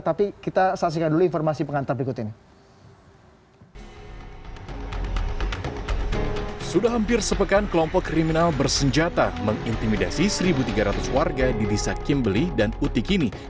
tapi kita saksikan dulu informasi pengantar berikut ini